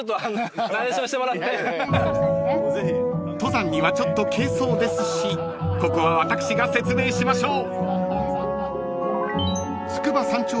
［登山にはちょっと軽装ですしここは私が説明しましょう］